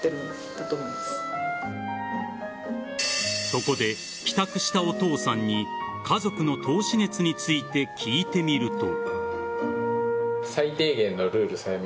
そこで、帰宅したお父さんに家族の投資熱について聞いてみると。